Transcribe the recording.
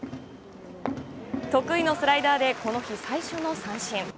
得意のスライダーで、この日最初の三振。